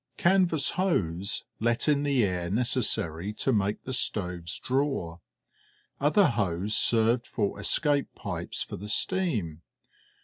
Canvas hose let in the air necessary to make the stoves draw; other hose served for escape pipes for the steam.